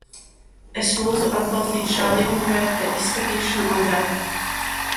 Es lūdzu atbalstīt šā likumprojekta izskatīšanu agrāk.